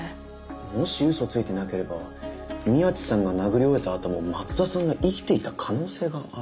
もしうそついてなければ宮地さんが殴り終えたあとも松田さんが生きていた可能性がある。